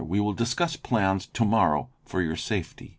We will discuss plans to morrow for your safety."